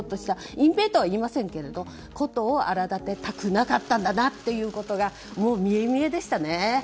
隠蔽とは言いませんけど事を荒立てたくなかったということが見え見えでしたね。